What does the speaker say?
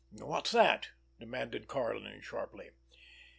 "What's that?" demanded Karlin sharply.